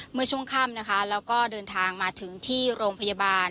เมื่อช่วงค่ำนะคะแล้วก็เดินทางมาถึงที่โรงพยาบาล